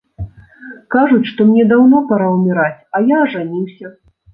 Кажуць, што мне даўно пара ўміраць, а я ажаніўся.